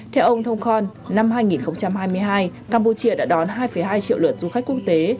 theo ông thông con năm hai nghìn hai mươi hai campuchia đã đón hai hai triệu lượt du khách quốc tế